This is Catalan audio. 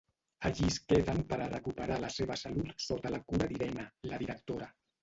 Allí es queden per a recuperar la seva salut sota la cura d'Irene, la directora.